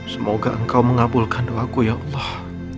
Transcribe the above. semoga engkau mengabulkan doaku ya allah